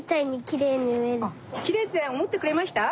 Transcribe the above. きれいっておもってくれました？